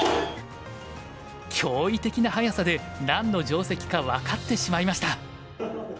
驚異的な速さで何の定石か分かってしまいました。